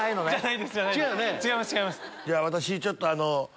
私ちょっとあの。